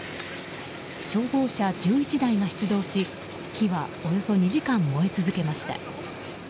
消防車１１台が出動し火はおよそ２時間燃え続けました。